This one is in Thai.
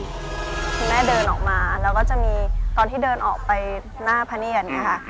คุณแม่เดินออกมาแล้วก็จะมีตอนที่เดินออกไปหน้าพะเนียดนะคะ